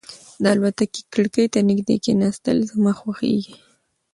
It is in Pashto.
د الوتکې کړکۍ ته نږدې کېناستل زما خوښېږي.